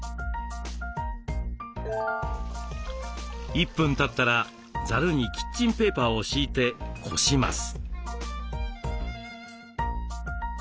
１分たったらザルにキッチンペーパーを敷いてこします。